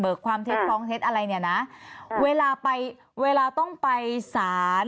ความเท็จฟ้องเท็จอะไรเนี่ยนะเวลาไปเวลาต้องไปสาร